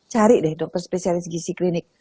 cari deh dokter spesialis gizi klinik